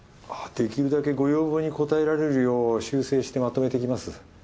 あっできるだけご要望に応えられるよう修正してまとめてきます。